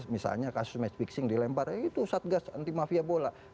misalnya kasus match fixing dilempar itu satgas anti mafia bola